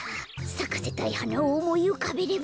さかせたいはなをおもいうかべれば。